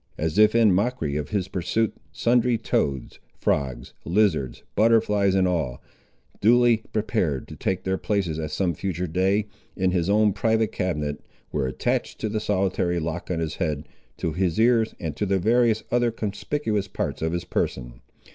As if in mockery of his pursuit, sundry toads, frogs, lizards, butterflies, &c., all duly prepared to take their places at some future day, in his own private cabinet, were attached to the solitary lock on his head, to his ears, and to various other conspicuous parts of his person.